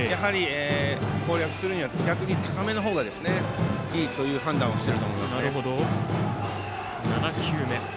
攻略するには逆に高めの方がいいという判断をしていると思いますね。